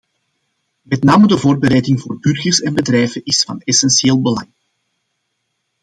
Met name de voorbereiding voor burgers en bedrijven is van essentieel belang.